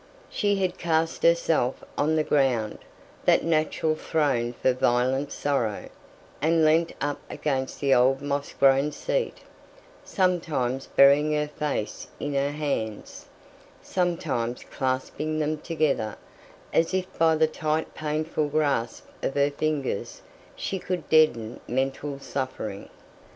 She had cast herself on the ground that natural throne for violent sorrow and leant up against the old moss grown seat; sometimes burying her face in her hands; sometimes clasping them together, as if by the tight painful grasp of her fingers she could deaden mental suffering.